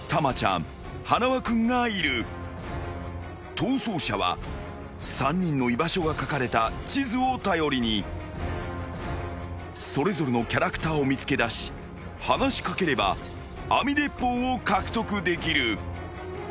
［逃走者は３人の居場所が書かれた地図を頼りにそれぞれのキャラクターを見つけだし話し掛ければ網鉄砲を獲得できる］